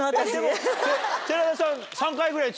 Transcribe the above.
寺田さん。